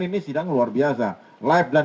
ini sidang luar biasa live dan